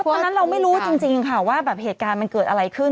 ตอนนั้นเราไม่รู้จริงค่ะว่าแบบเหตุการณ์มันเกิดอะไรขึ้น